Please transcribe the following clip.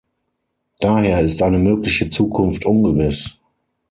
Daher ist eine mögliche Zukunft ungewiss.